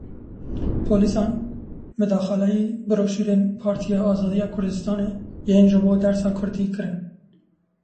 Polîsan midaxaleyî broşurên Partiya Azadiya Kurdistanê yên ji bo dersa kurdî kirin.